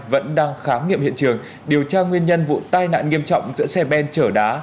vẫn đang khám nghiệm hiện trường điều tra nguyên nhân vụ tai nạn nghiêm trọng giữa xe ben chở đá